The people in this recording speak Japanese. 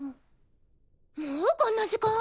もうこんな時間！？